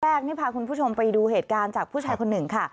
พาคุณผู้ชมไปดูเหตุการณ์จากผู้ชายคนหนึ่งค่ะ